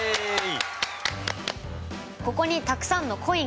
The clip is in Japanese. ここにたくさんのコインがあります。